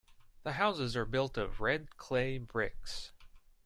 The houses are built of red clay bricks.